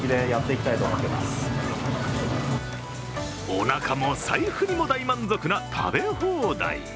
おなかも財布も大満足な食べ放題。